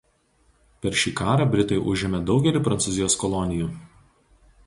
Per šį karą britai užėmė daugelį Prancūzijos kolonijų.